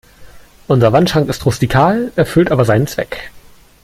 Unser Wandschrank ist rustikal, erfüllt aber seinen Zweck.